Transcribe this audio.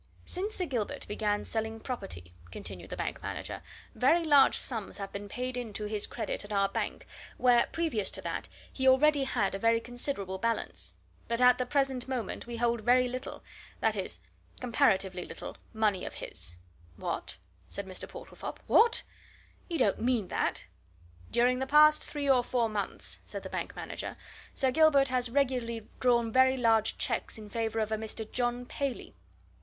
"Since Sir Gilbert began selling property," continued the bank manager, "very large sums have been paid in to his credit at our bank, where, previous to that, he already had a very considerable balance. But at the present moment we hold very little that is, comparatively little money of his." "What?" said Mr. Portlethorpe. "What? You don't mean that?" "During the past three or four months," said the bank manager, "Sir Gilbert has regularly drawn very large cheques in favour of a Mr. John Paley.